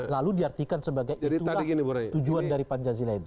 lalu diartikan sebagai itulah tujuan dari pancasila itu